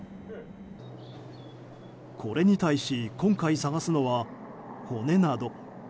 これに対し今回捜すのは骨など。